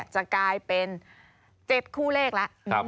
จะกลายเป็น๗คู่เลขแล้ว